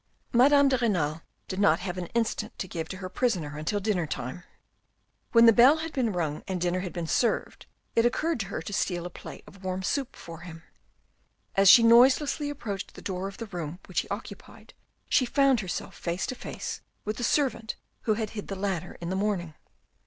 Madame de Renal did not have an instant to give to her prisoner until dinner time. When the bell had been rung and dinner had been served, it occurred to her to steal a plate of warm soup for him. As she noiselessly approached the door of the room which he occupied, she found herself face to face with the servant who had hid the ladder in the morning.